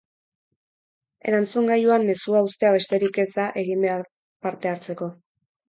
Erantzungailuan mezua uztea besterik ez da egin behar parte hartzeko.